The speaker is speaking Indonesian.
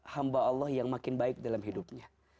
hamba allah yang makin baik dalam hidupnya